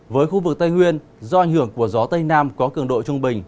với khu vực tây nguyên do ảnh hưởng của gió tây nam có cường độ trung bình